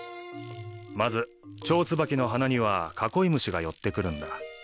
まずチョウツバキの花にはカコイムシが寄ってくるんだ。